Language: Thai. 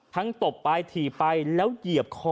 ทั้งตบไปถีไปแล้วเหยียบคอ